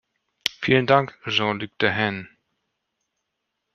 Vielen Dank, Jean-Luc Dehaene!